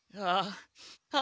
ああ。